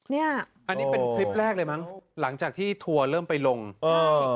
เนี่ยอันนี้เป็นคลิปแรกเลยมั้งหลังจากที่ทัวร์เริ่มไปลงเออ